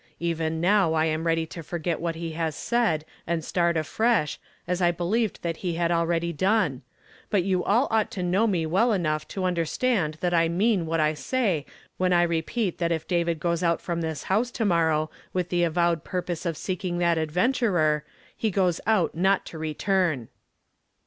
Even now I am ready to forget what he has said and start afresh, as I believed that he liad already done ; but you all ought to know me well enough to understand that I mean what I say when I repeat that if David goes out from this house to morrow with the avowed purpose of seeking that adventurer, he goes out not to return."